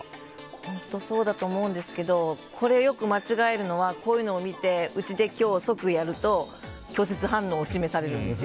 本当そうだと思うんですけどよく間違えるのはこういうのを見てうちで今日、即やると拒絶反応を示されるんですよ。